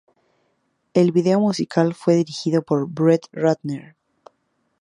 El vídeo musical fue dirigido por Brett Ratner.